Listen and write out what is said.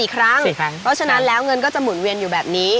เพราะฉะนั้นแล้วเงินก็จะหมุนเวียนอยู่แบบนี้